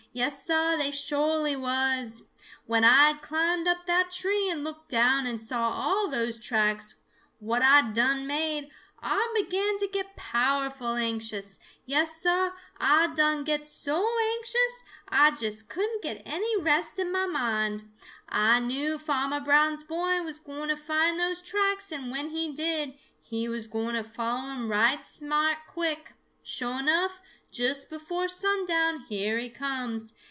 Yes, Sah, they sho'ly was! When Ah had climbed up that tree and looked down and saw all those tracks what Ah done made, Ah began to get powerful anxious. Yes, Sah, Ah done get so anxious Ah just couldn't get any rest in mah mind. Ah knew Farmer Brown's boy was gwine to find those tracks, and when he did, he was gwine to follow 'em right smart quick. Sho' enough, just before sundown, here he comes.